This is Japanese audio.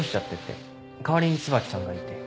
代わりに椿さんがいて。